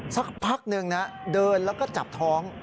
สักพักหนึ่งนะเดินแล้วก็จับท้อง